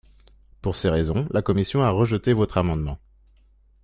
Pour ces raisons, la commission a rejeté votre amendement.